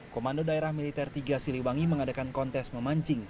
komando daerah militer tiga siliwangi mengadakan kontes memancing